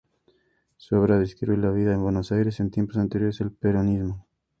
Su obra describe la vida en Buenos Aires en tiempos anteriores al peronismo.